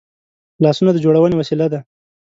لاسونه د جوړونې وسیله ده